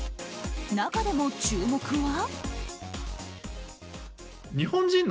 中でも注目は。